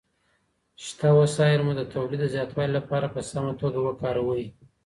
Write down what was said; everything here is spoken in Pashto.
شته وسايل مو د توليد د زياتوالي لپاره په سمه توګه وکاروئ.